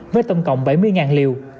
với tổng cộng bảy mươi liều